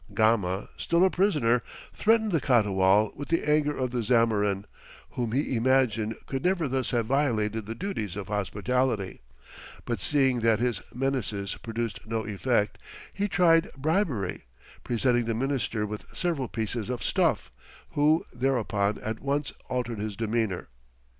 Gama, still a prisoner, threatened the Catoual with the anger of the Zamorin, whom he imagined could never thus have violated the duties of hospitality, but seeing that his menaces produced no effect, he tried bribery, presenting the minister with several pieces of stuff, who, thereupon at once altered his demeanour.